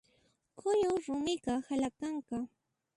Kuyuq rumiqa halaqanqa.